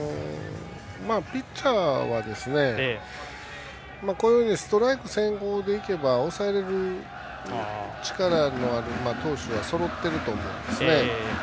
ピッチャーはストライク先行でいけば抑えられる力のある投手はそろっていると思うんです。